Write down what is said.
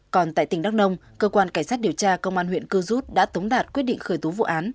còn tại tỉnh đắk nông cơ quan cảnh sát điều tra công an huyện cư rút đã tống đạt quyết định khởi tố vụ án